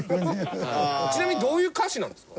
ちなみにどういう歌詞なんですか？